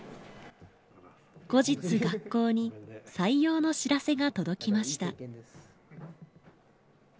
後日学校に採用の知らせが届きました。